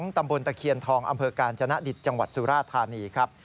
ตำบลตะเคียนทองอำเภอกาญจนดิตจังหวัดสุราธานีครับ